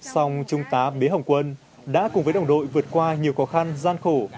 song trung tá bế hồng quân đã cùng với đồng đội vượt qua nhiều khó khăn gian khổ